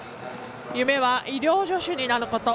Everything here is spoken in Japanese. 夢は医療助手になること。